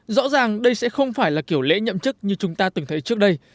rõ ràng đây sẽ không phải là kiểu lễ nhậm chức như chúng ta từng thấy trước đây